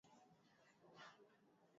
Wagonjwa wengi huwa hawaonani na daktari